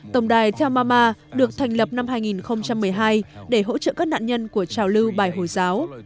tổng đài telma được thành lập năm hai nghìn một mươi hai để hỗ trợ các nạn nhân của trào lưu bài hồi giáo